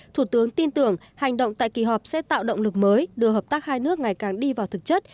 thủ tướng tin tưởng hành động tại kỳ họp sẽ tạo động lực mới đưa hợp tác hai nước ngày càng đi vào thực chất